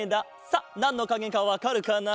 さあなんのかげかわかるかな？